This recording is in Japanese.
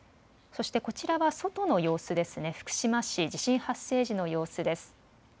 そしてこちらは外の様子ですね、福島市、地震発生時の様子です。